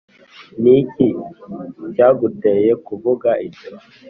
ni iki cyaguteye kuvuga ibyo?